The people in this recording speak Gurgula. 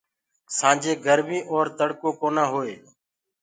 سآنجي گرمي اور کآڙهو ڪونآ هوئي۔